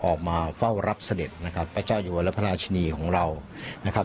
ออกมาเฝ้ารับเสด็จนะครับพระเจ้าอยู่วรพระราชินีของเรานะครับ